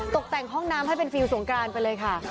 ตกแต่งห้องน้ำให้เป็นฟิลลสงกรานไปเลยค่ะ